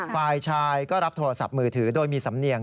ฝ่ายชายก็รับโทรศัพท์มือถือโดยมีสำเนียง